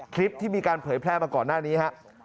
คลิปที่มีการเผยแพร่มาก่อนหน้านี้ครับ